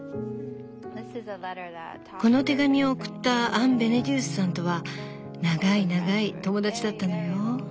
この手紙を送ったアン・ベネデュースさんとは長い長い友だちだったのよ。